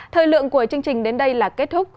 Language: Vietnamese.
thời lượng của chương trình đến đây là kết thúc